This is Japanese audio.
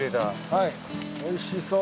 はいおいしそう。